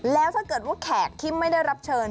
แล้วถ้าเกิดว่าแขกที่ไม่ได้รับเชิญ